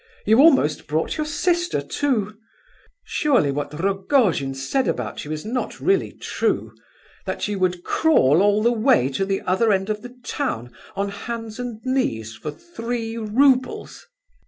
You almost brought your sister, too. Surely what Rogojin said about you is not really true: that you would crawl all the way to the other end of the town, on hands and knees, for three roubles?"